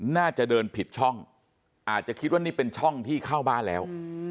น่าจะเดินผิดช่องอาจจะคิดว่านี่เป็นช่องที่เข้าบ้านแล้ว